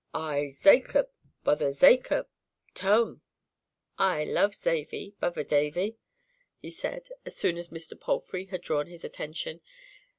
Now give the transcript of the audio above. "I's Zacob—b'other Zacob—'t home. I love Zavy—b'other Zavy," he said, as soon as Mr. Palfrey had drawn his attention.